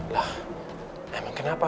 lah emang kenapa